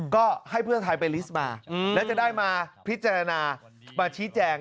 ก็ให้เพื่อไทยไปลิสต์มาแล้วจะได้มาพิจารณามาชี้แจง